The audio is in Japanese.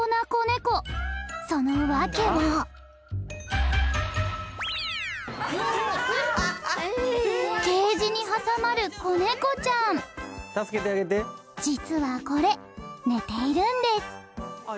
その訳はケージに挟まる子ネコちゃん実はこれ寝ているんです